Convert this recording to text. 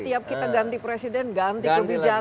setiap kita ganti presiden ganti kebijakan